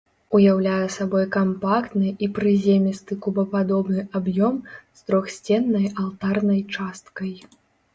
Уяўляе сабой кампактны і прыземісты кубападобны аб'ём з трохсценнай алтарнай часткай.